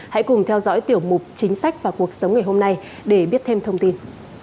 hãy cùng theo dõi tiểu mục chính sách và cuộc sống ngày hôm nay để biết thêm thông tin